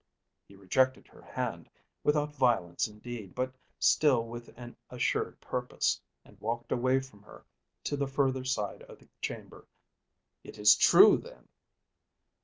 He rejected her hand, without violence indeed but still with an assured purpose, and walked away from her to the further side of the chamber. "It is true then?"